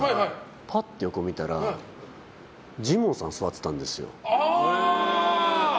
ぱっと横を見たらジモンさん座ってたんですよ。